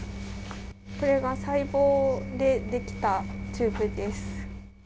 これが細胞でできたチューブです。